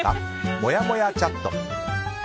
もやもやチャット。